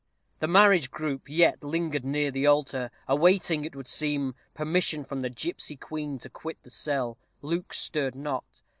The marriage group yet lingered near the altar, awaiting, it would seem, permission from the gipsy queen to quit the cell. Luke stirred not.